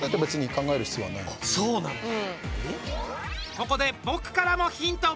ここで僕からもヒント。